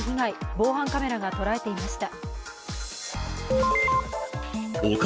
防犯カメラが捉えていました。